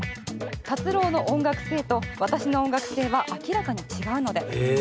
「達郎の音楽性と私の音楽性は明らかに違うので」